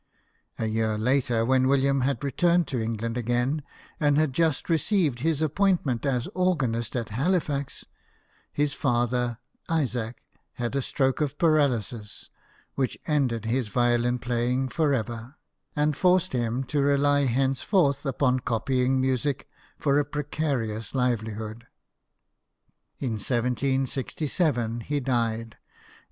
A year later, when William had returned to England again, and had just re ceived his appointment as organist at Halifax, his father, Isaac, had a stroke of paralysis, which ended his violin playing for ever, and forced him to rely thenceforth upon copying music for a precarious livelihood. In 1767 he died, and 98 BIOGRAPHIES OF WORKING MEA.